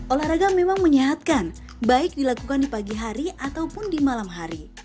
olahraga memang menyehatkan baik dilakukan di pagi hari ataupun di malam hari